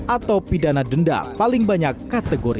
atau pidana denda paling banyak kategori